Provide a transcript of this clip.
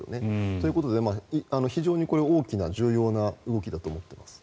そういうことで、非常に大きな重要な動きだと思っています。